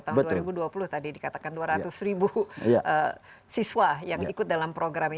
tahun dua ribu dua puluh tadi dikatakan dua ratus ribu siswa yang ikut dalam program ini